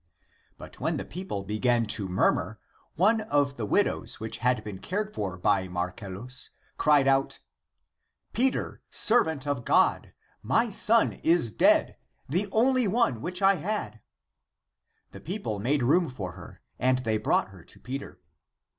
But when the people began to murmur, one of the widows which had been cared for by Marcellus cried out, " Peter, servant of God, my son is dead, the only one which I had," The people made room for her, and they brought her to Peter.